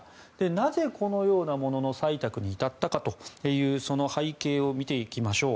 なぜこのようなものの採択に至ったかという背景を見ていきましょう。